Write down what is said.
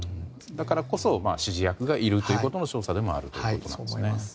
だからこそ指示役がいるということの証左でもあるということですね。